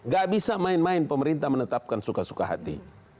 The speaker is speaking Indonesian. gak bisa main main pemerintah menetapkan suka suka hati